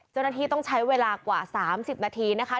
เจ้าหน้าที่ต้องใช้เวลากว่า๓๐นาทีนะคะ